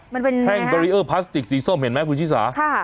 แห้งบรีเออร์พลาสติกสีส้มเห็นไหมคุณชิสา